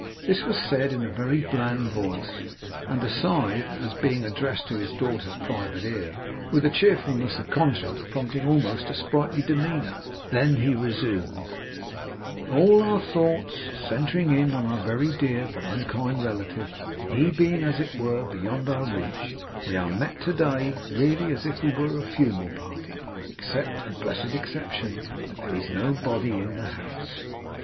This was said in a very bland voice, and aside, as being addressed to his daughter's private ear. With a cheerfulness of conscience, prompting almost a sprightly demeanour, he then resumed: 'All our thoughts centring in our very dear but unkind relative, and he being as it were beyond our reach, we are met to day, really as if we were a funeral party, except a blessed exception that there is no body in the house.